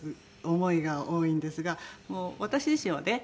思いが多いんですが私自身はね